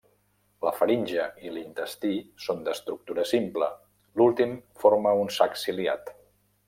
La faringe i l'intestí són d'estructura simple, l'últim forma un sac ciliat.